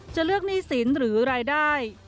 จะเลือกหนี้สินหรือรายได้